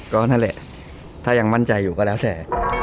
ก็นั่นแหละถ้ายังมั่นใจอยู่ก็แล้วแต่